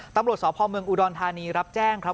ตำรวจสพเมืองอุดรธานีรับแจ้งครับ